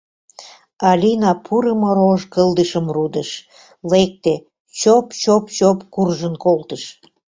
Алина пурымо рож кылдышым рудыш, лекте, чоп-чоп-чоп куржын колтыш.